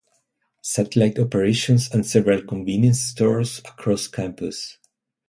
Satellite operations and several Convenience Stores across campus.